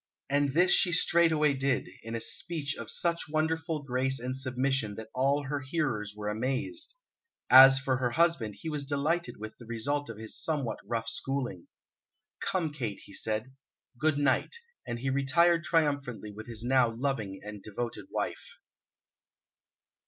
And this she straightway did, in a speech of such wonderful grace and submission that all her hearers were amazed. As for her husband, he was delighted with the result of his somewhat rough schooling. "Come, Kate!" he said. "Good night!" And he retired triumphantly with his now loving and devoted wife.